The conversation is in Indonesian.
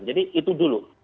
jadi itu dulu